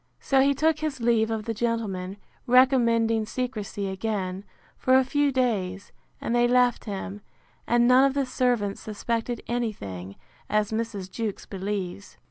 So he took his leave of the gentlemen, recommending secrecy again, for a few days, and they left him; and none of the servants suspected any thing, as Mrs. Jewkes believes.